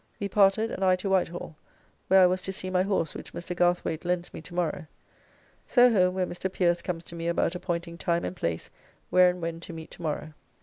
We parted, and I to Whitehall, where I was to see my horse which Mr. Garthwayt lends me to morrow. So home, where Mr. Pierce comes to me about appointing time and place where and when to meet tomorrow.